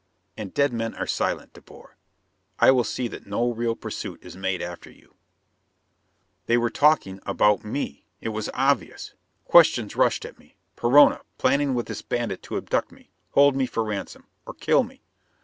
And dead men are silent men, De Boer. I will see that no real pursuit is made after you." They were talking about me! It was obvious. Questions rushed at me. Perona, planning with this bandit to abduct me. Hold me for ransom. Or kill me!